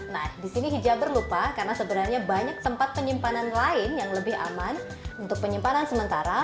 nah di sini hijaber lupa karena sebenarnya banyak tempat penyimpanan lain yang lebih aman untuk penyimpanan sementara